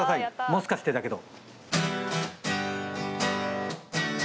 「もしかしてだけど」